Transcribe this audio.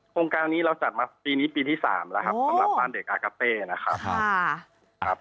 โครงการนี้เราจัดมาปีนี้ปีที่๓แล้วครับสำหรับบ้านเด็กอากาเต้นะครับ